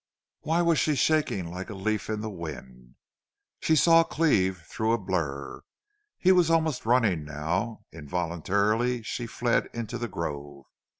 Why was she shaking like a leaf in the wind? She saw Cleve through a blur. He was almost running now. Involuntarily she fled into the grove.